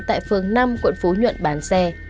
tại phường năm quận phú nhuận bán xe